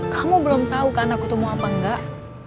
kamu belum tau kan aku tuh mau apa enggak